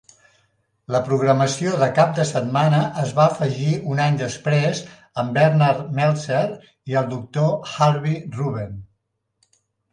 La programació de cap de setmana es va afegir un any després amb Bernard Meltzer i el doctor Harvey Ruben.